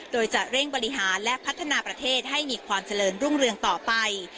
โดยจะเร่งบริหารและพัฒนาประเทศให้มีความเจริญรุ่งเรืองต่อไป